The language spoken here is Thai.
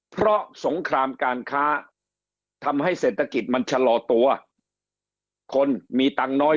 เพราะสงครามการค้าทำให้เศรษฐกิจมันชะลอตัวคนมีตังค์น้อย